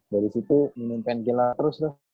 dari situ minum pentil terus tuh